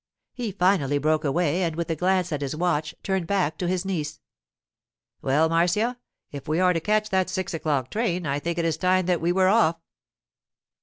He finally broke away, and with a glance at his watch turned back to his niece. 'Well, Marcia, if we are to catch that six o'clock train, I think it is time that we were off.